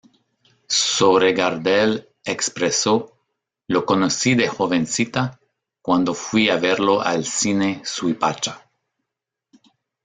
Sobre Gardel, expresó: "Lo conocí de jovencita, cuando fui a verlo al cine Suipacha.